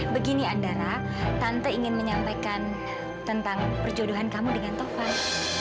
begini andara tante ingin menyampaikan tentang perjodohan kamu dengan tovan